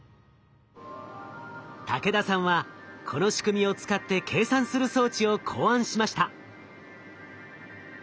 武田さんはこの仕組みを使って計算する装置を考案しました。